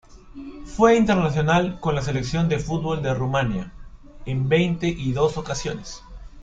Fue internacional con la Selección de fútbol de Rumania en veinte y dos ocasiones.